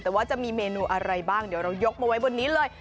แต่ว่าจะมีเมนูอะไรบ้างเดี๋ยวเรายกมาไว้บนนี้เลย